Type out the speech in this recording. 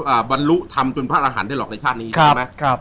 อ่าบรรลุทำเป็นพระอาหารได้หรอกในชาตินี้ใช่ไหมครับครับ